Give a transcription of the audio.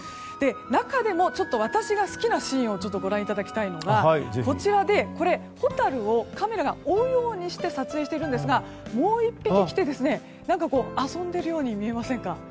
中でも私が好きなシーンをご覧いただきたいのがホタルをカメラが追うようにして撮影しているんですがもう１匹来て遊んでいるように見えませんか。